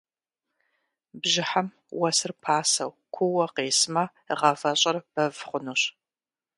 Бжьыхьэм уэсыр пасэу, куууэ къесмэ, гъавэщӏэр бэв хъунущ.